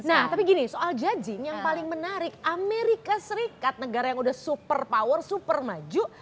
nah tapi gini soal judging yang paling menarik amerika serikat negara yang udah super power super maju